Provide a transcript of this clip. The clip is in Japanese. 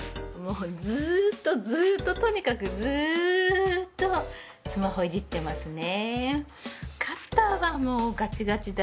ずっとずっととにかくずっとスマホいじってますね。